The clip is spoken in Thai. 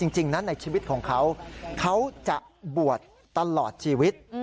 จริงนะในชีวิตของเขาเขาจะบวชตลอดชีวิต